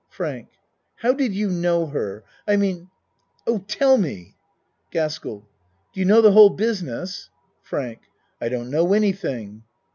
FRANK How did you know her? I mean oh tell me! GASKELL Do you know the whole business? FRANK I don't know anything.